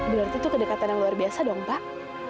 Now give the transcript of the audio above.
berarti itu kedekatan yang luar biasa dong pak